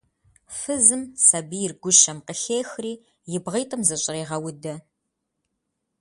Фызым сабийр гущэм къыхехри, и бгъитӏым зыщӏрегъэудэ.